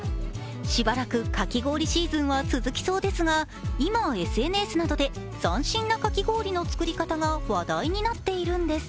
しばらくかき氷シーズンは続きそうですが今、ＳＮＳなどで斬新なかき氷の作り方が話題になっているんです。